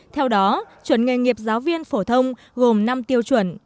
theo đó chuẩn nghề nghiệp giáo viên phổ thông gồm năm tiêu chuẩn